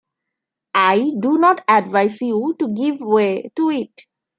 I do not advise you to give way to it.